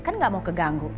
kan gak mau keganggu